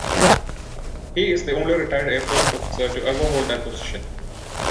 He is the only retired Air Force officer to ever hold that position.